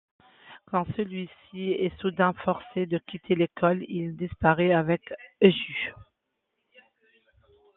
Quand celui-ci est soudain forcé de quitter l'école, il disparaît avec Eun-ju.